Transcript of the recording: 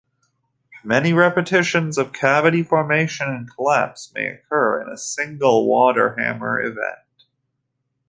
Many repetitions of cavity formation and collapse may occur in a single water-hammer event.